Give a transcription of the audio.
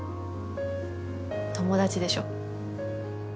友達でしょ。